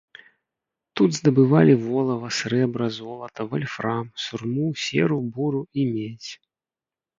Тут здабывалі волава, срэбра, золата, вальфрам, сурму, серу, буру і медзь.